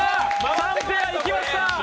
３ペアいきました。